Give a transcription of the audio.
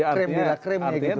krim bira krimnya gitu kan